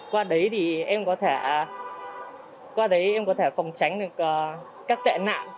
qua đấy thì em có thể phòng tránh được các tệ nạn